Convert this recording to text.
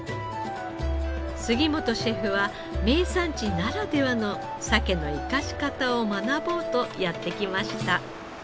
杉本シェフは名産地ならではのサケの生かし方を学ぼうとやって来ました。